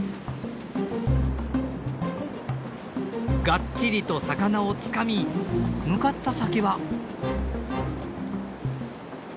ガッチリと魚をつかみ向かった先は。